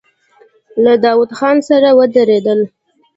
له داوود خان سره ودرېدل.